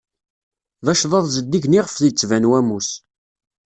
D acḍaḍ zeddigen iɣef ittban wammus.